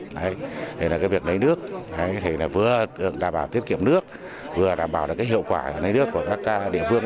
thì việc lấy nước vừa đảm bảo tiết kiệm nước vừa đảm bảo hiệu quả lấy nước của các địa phương